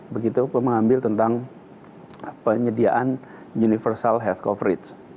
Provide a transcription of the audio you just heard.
begitu mengambil tentang penyediaan universal health coverage